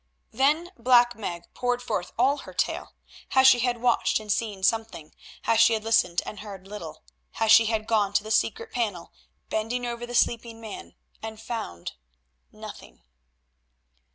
Then Black Meg poured forth all her tale—how she had watched and seen something, how she had listened and heard little, how she had gone to the secret panel, bending over the sleeping man, and found—nothing.